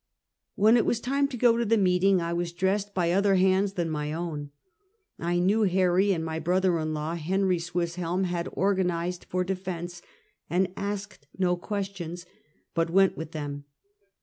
When it was time to go to the meeting, I was dressed by other hands than my own. I knew Harry and my brother in law, Henry Swisshelm, had organ ized for defense, and asked no questions, but went with them.